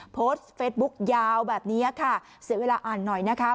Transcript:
โพสต์เฟซบุ๊กยาวแบบนี้ค่ะเสียเวลาอ่านหน่อยนะคะ